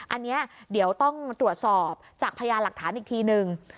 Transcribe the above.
อันนี้เดี๋ยวต้องตรวจสอบจากพยานหลักฐานอีกทีนึง